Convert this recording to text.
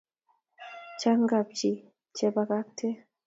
Chan kapchi che pakaktakee